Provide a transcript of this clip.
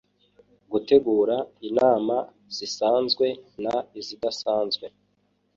gutegura inama zisanzwe n izidasanzwe